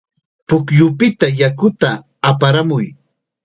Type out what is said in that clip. Pukyupita yakuta aparamuy.